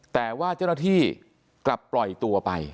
แต่ว่าเจ้าหน้าที่กลับปล่อยตัวไป